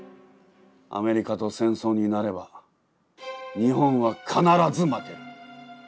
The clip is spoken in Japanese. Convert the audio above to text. アメリカと戦争になれば日本は必ず負ける。